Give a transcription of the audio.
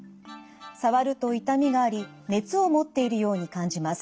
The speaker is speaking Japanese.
触ると痛みがあり熱を持っているように感じます。